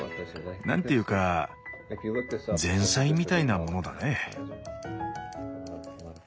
何ていうか前菜みたいなものだね。